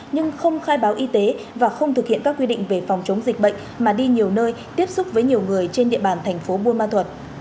nhưng không khai báo y tế và không thực hiện các quy định về phòng chống dịch bệnh mà đi nhiều nơi tiếp xúc với nhiều người trên địa bàn tp bunma thuật